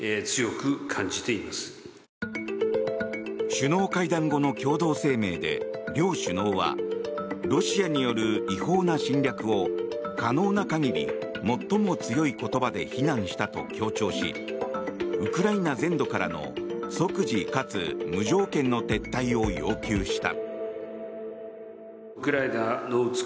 首脳会談後の共同声明で両首脳はロシアによる違法な侵略を可能な限り最も強い言葉で非難したと強調しウクライナ全土からの即時かつ無条件の撤退を要求した。